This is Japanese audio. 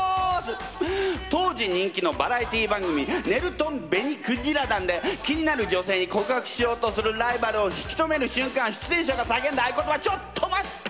当時人気のバラエティー番組「ねるとん紅鯨団」で気になる女性に告白しようとするライバルを引きとめる瞬間出演者がさけんだ合いことば「ちょっと待った！」。